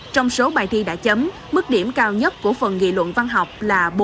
trong số bài thi đã chấm mức điểm cao nhất của phần nghị luận văn học là bốn hai mươi năm trên năm